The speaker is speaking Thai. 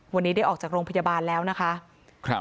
วันนี้ได้ออกจากโรงพยาบาลแล้วนะคะ